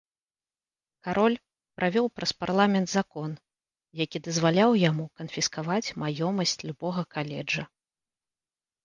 Кароль правёў праз парламент закон, які дазваляў яму канфіскаваць маёмасць любога каледжа.